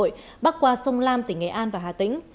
công trình cầu cửa hội bắc qua sông lam tỉnh nghệ an và hà tĩnh